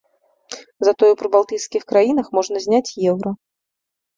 Затое ў прыбалтыйскіх краінах можна зняць еўра.